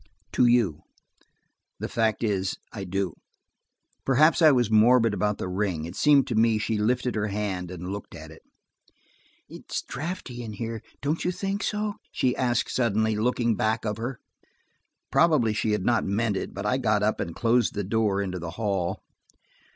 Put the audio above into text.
"To you– The fact is I do." Perhaps I was morbid about the ring: it seemed to me she lifted her hand and looked at it. "It's drafty in here: don't you think so?" she asked suddenly, looking back of her. Probably she had not meant it, but I got up and closed the door into the hall.